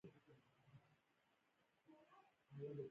هغه د باغ حاصلات په یتیمانو ویشل.